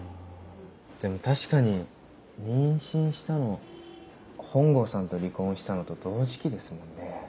でも確かに妊娠したの本郷さんと離婚したのと同時期ですもんね。